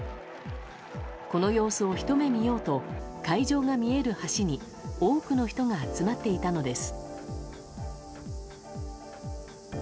この様子をひと目見ようと会場が見える橋に多くの人が集まっていたのです。